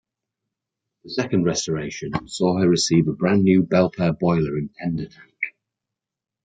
The second restoration saw her receive a brand new Belpaire Boiler and tender tank.